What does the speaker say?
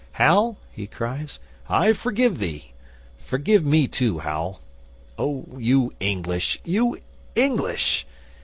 '"Hal," he cries, "I forgive thee. Forgive me too, Hal. Oh, you English, you English!